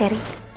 gak tau tapi